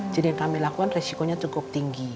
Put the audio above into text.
jadi yang kami lakukan resikonya cukup tinggi